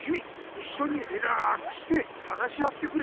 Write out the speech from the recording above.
いっしょにリラックスして話し合ってくれ！